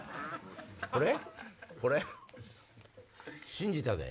信じたで。